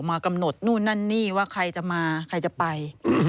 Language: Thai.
มากำหนดนู่นนั่นนี่ว่าใครจะมาใครจะไป